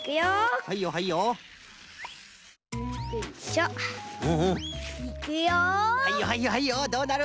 はいよはいよはいよどうなる！？